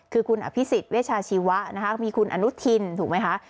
คือคุณอภิษฎเวชาชีวะนะคะมีคุณอนุทินถูกไหมคะ